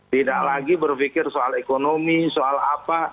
tidak lagi berpikir soal ekonomi soal apa